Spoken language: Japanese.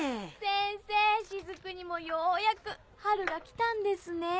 先生雫にもようやく春が来たんですね。